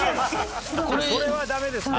それはダメですね。